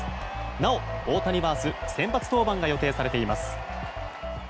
なお、大谷は明日先発登板が予定されています。